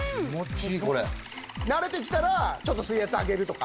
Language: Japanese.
慣れてきたらちょっと水圧上げるとか。